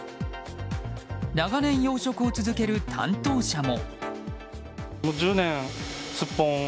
長年養殖を続ける担当者も。